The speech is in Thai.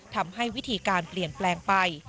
ทำให้วิธีการเปลี่ยนแปลงไป